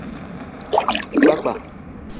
Kpakpa.